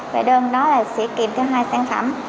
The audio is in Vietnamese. về đơn đó là sẽ kìm cho hai sản phẩm